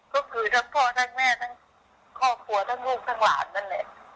ก็คือทั้งพ่อทั้งแม่ทั้งครอบครัวทั้งลูกทั้งหลานนั่นแหละ